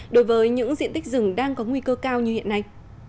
đối với những diện tích rừng đang có nguy cơ cao như hiện nay